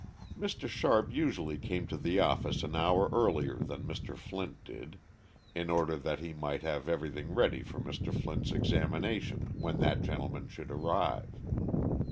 Mr. Sharp usually came to the office an hour earlier than Mr. Flint did, in order that he might have everything ready for Mr. Flint's examination when that gentleman should arrive.